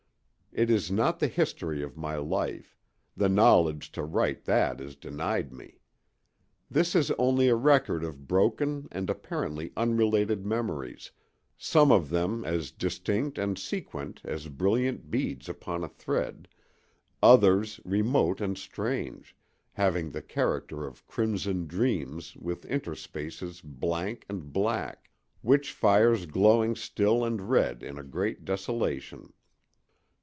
It is not the history of my life; the knowledge to write that is denied me. This is only a record of broken and apparently unrelated memories, some of them as distinct and sequent as brilliant beads upon a thread, others remote and strange, having the character of crimson dreams with interspaces blank and black—witch fires glowing still and red in a great desolation.